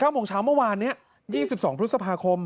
โมงเช้าเมื่อวานนี้๒๒พฤษภาคม